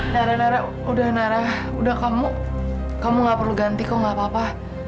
nara nara udah nara udah kamu kamu enggak perlu ganti kok enggak apa apa